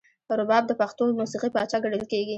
رباب د پښتو موسیقۍ پاچا ګڼل کیږي.